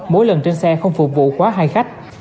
mỗi lần trên xe không phục vụ khóa hai khách